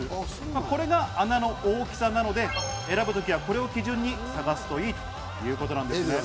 これが穴の大きさなので、選ぶときはこれを基準に探すといいということなんですね。